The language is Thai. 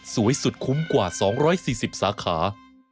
สุดคุ้มกว่า๒๔๐สาขา